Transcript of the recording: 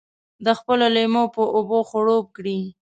د خپلو لېمو په اوبو خړوب کړي.